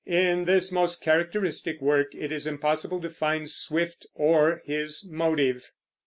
In this most characteristic work it is impossible to find Swift or his motive.